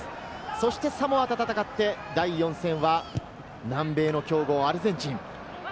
そしてサモアと戦って、第４戦は南米の強豪・アルゼンチン。